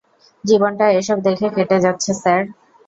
জীবনটা এসব দেখে কেটে যাচ্ছে, স্যার!